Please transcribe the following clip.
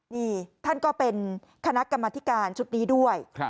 นี่ท่านก็เป็นคณะกรรมธิการชุดนี้ด้วย